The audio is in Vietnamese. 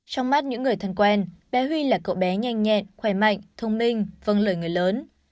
trong mắt những người thân quen bé huy là cậu bé nhanh nhẹn khỏe mạnh thông minh vâng lời người lớn